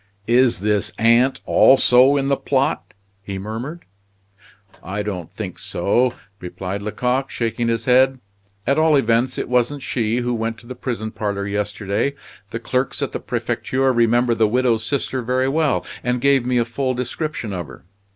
"Is this aunt also in the plot?" he murmured. "I don't think so," replied Lecoq, shaking his head. "At all events, it wasn't she who went to the prison parlor yesterday. The clerks at the Prefecture remember the widow's sister very well, and gave me a full description of her.